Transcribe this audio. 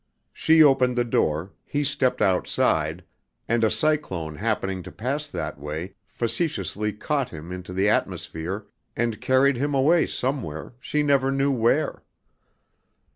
She opened the door, he stepped outside, and a cyclone happening to pass that way, facetiously caught him into the atmosphere and carried him away somewhere, she never knew where.